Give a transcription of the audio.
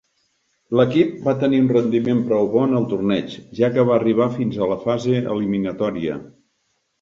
L'equip va tenir un rendiment prou bo en el torneig, ja que va arribar fins a la fase eliminatòria.